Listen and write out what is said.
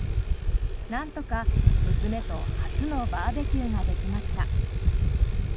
なんとか娘と初のバーベキューができました。